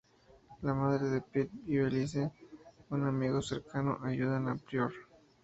La madre de Pitt y Belice, un amigo cercano, ayudan a Prior.